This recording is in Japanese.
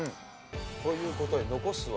という事で残すは。